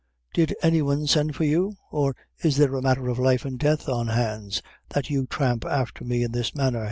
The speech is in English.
Did any one send for you? or is there a matther of life and death on hands, that you tramp afther me in this manner eh?"